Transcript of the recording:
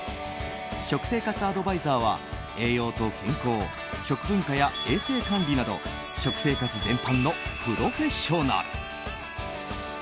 食生活アドバイザーは栄養と健康食文化や衛生管理など食生活全般のプロフェッショナル。